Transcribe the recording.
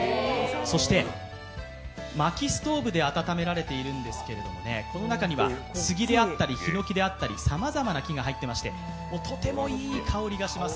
そしてまきストーブで暖められているんですがこの中には杉であったり、ひのきであったり、さまざまな木が入っていましてとてもいい香りがします。